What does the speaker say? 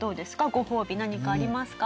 ごほうび何かありますか？